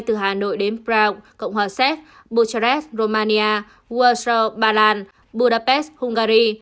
từ hà nội đến prague cộng hòa séc bucharest romania warsaw bà làn budapest hungary